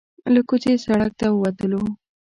له کوڅې سړک ته وتلو.